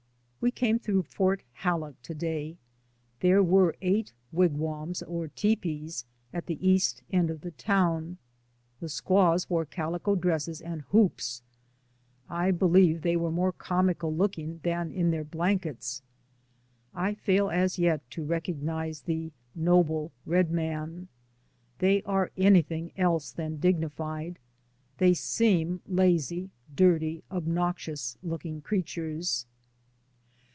We came through Fort Halleck to day. There were eight wigwams, or teepees, at the east end of the town ; the squaws wore calico dresses and hoops. I believe they were more comical looking than in their blankets. I fail as yet to recognize "The noble red man." They are anything else than dignified; they seem lazy, dirty, obnoxious looking crea tures.